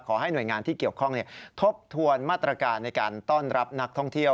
ขอให้หน่วยงานที่เกี่ยวข้องทบทวนมาตรการในการต้อนรับนักท่องเที่ยว